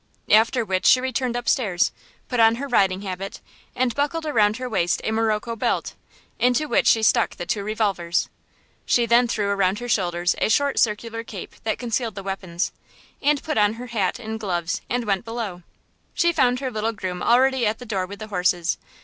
After which she returned up stairs, put on her riding habit, and buckled around her waist a morocco belt, into which she stuck the two revolvers. She then threw around her shoulders a short circular cape that concealed the weapons, and put on her hat and gloves and went below. She found her little groom already at the door with the horses.